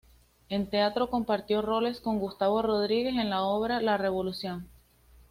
En teatro compartió roles con Gustavo Rodríguez en la obra "La Revolución".